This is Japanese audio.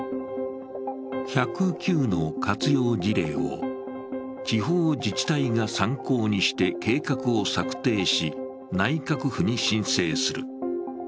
１０９の活用事例を地方自治体が参考にして計画を策定し内閣府に申請する。